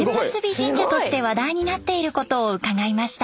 神社として話題になっていることを伺いました。